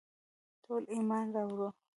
ټولو ایمان راووړ.